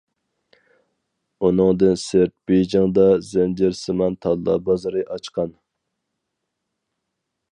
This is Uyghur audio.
ئۇنىڭدىن سىرت بېيجىڭدا زەنجىرسىمان تاللا بازىرى ئاچقان.